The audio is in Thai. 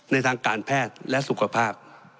ในทางการแพทย์และสุขภาพ